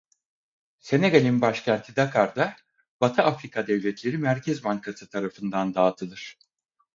Senegal'ın başkenti Dakar'da Batı Afrika Devletleri Merkez Bankası tarafından dağıtılır.